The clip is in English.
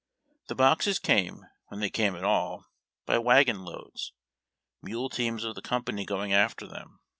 The boxes came, when they came at all, by wagon loads — mule teams of the comj)an3'' going after them.